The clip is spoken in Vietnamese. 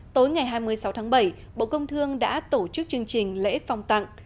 tối ngày hai mươi sáu tháng bảy bộ công thương đã tổ chức chương trình lễ phòng tặng